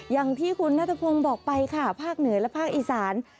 อย่างที่คุณนัทพงศ์บอกไปค่ะภาคเหนือและภาคอีสาน